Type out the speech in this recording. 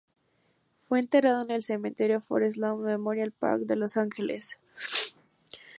Fue enterrado en el cementerio Forest Lawn Memorial Park de Los Ángeles.